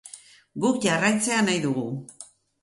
Guk jarraitzea nahi dugu.